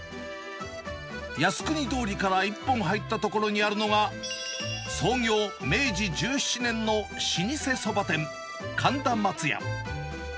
靖国通りから１本入った所にあるのが、創業明治１７年の老舗そば店、神田まつや。